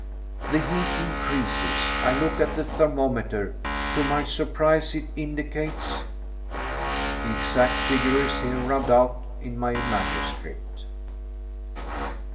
The heat increases. I look at the thermometer, to my surprise it indicates The exact figure is here rubbed out in my manuscript.